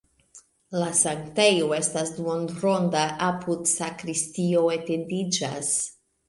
La sanktejo estas duonronda, apude sakristio etendiĝas.